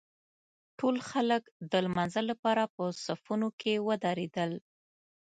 ټول خلک د لمانځه لپاره په صفونو کې ودرېدل.